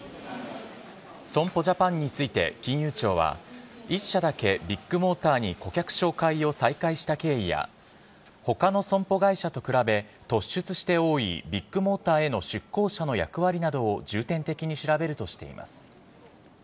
損保ジャパンについて、金融庁は、１社だけビッグモーターに顧客紹介を再開した経緯や、ほかの損保会社と比べ突出して多いビッグモーターへの出向者の役割などを重点的に調べるとしています。